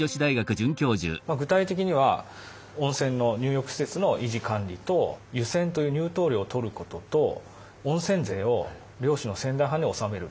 具体的には温泉の入浴施設の維持管理と湯銭という入湯料を取ることと温泉税を領主の仙台藩に納める。